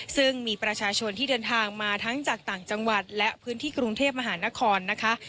ซึ่งมีประชาชนที่เดินทางมาทั้งจากต่างจังหวัดและพื้นที่กรุงเทพมหานครนะคะ